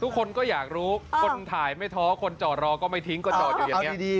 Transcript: ทุกคนก็อยากรู้คนถ่ายไม่ท้อคนจอดรอก็ไม่ทิ้งก็จอดอยู่อย่างนี้